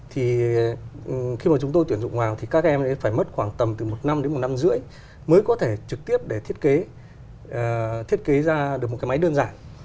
thì khi mà chúng tôi tuyển dụng vào thì các em phải mất khoảng tầm từ một năm đến một năm rưỡi mới có thể trực tiếp để thiết kế thiết kế ra được một cái máy đơn giản